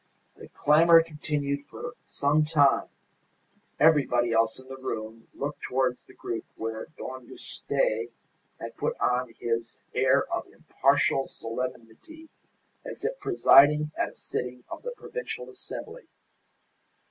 The clamour continued for some time, everybody else in the room looking towards the group where Don Juste had put on his air of impartial solemnity as if presiding at a sitting of the Provincial Assembly.